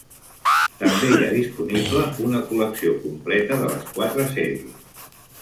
També hi ha disponible una col·lecció completa de les quatre sèries.